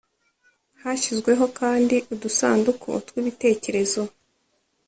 hashyizweho kandi udusanduku twibitekerezo